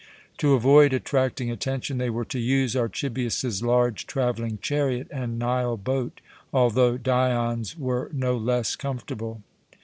To avoid attracting attention, they were to use Archibius's large travelling chariot and Nile boat, although Dion's were no less comfortable.